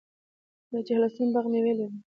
د چهلستون باغ میوې لري.